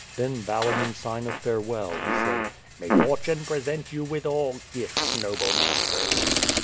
Then bowing in sign of farewell, he said, "May fortune present you with all gifts, noble masters."